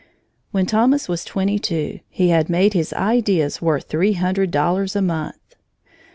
When Thomas was twenty two, he had made his ideas worth three hundred dollars a month.